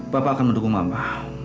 papa akan mendukung mama